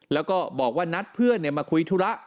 แล้วก็บอกว่านัดเพื่อนมาคุยธุระ